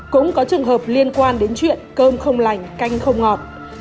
cũng có trường hợp liên quan đến chuyện cơm không lành canh không ngọt